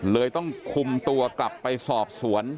เลยต้องคุมตัวกลับไปสอบสวน